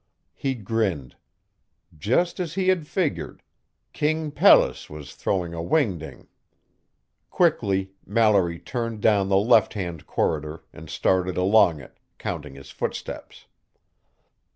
He grinned. Just as he had figured King Pelles was throwing a whingding. Quickly, Mallory turned down the left hand corridor and started along it, counting his footsteps.